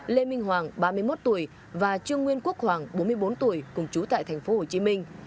lê minh hoàng ba mươi một tuổi và trương nguyên quốc hoàng bốn mươi bốn tuổi cùng chú tại thành phố hồ chí minh